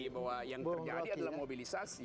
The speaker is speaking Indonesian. bahwa yang terjadi adalah mobilisasi